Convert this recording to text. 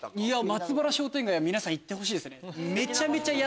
松原商店街は皆さん行ってほしいですね。